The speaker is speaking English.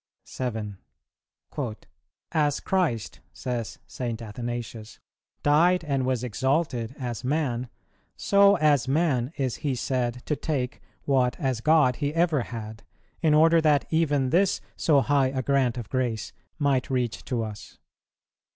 7. "As Christ," says St. Athanasius, "died, and was exalted as man, so, as man, is He said to take what, as God, He ever had, in order that even this so high a grant of grace might reach to us.